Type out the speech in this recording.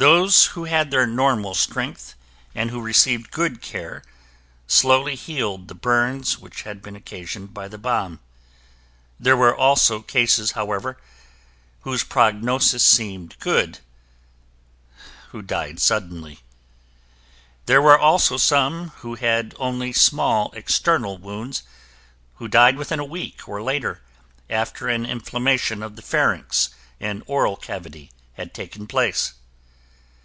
Those who had their normal strength and who received good care slowly healed the burns which had been occasioned by the bomb. There were also cases, however, whose prognosis seemed good who died suddenly. There were also some who had only small external wounds who died within a week or later, after an inflammation of the pharynx and oral cavity had taken place.